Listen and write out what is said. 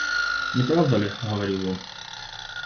Не правда ли?— говорил он.